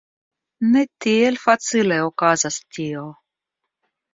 Ne tiel facile okazas tio!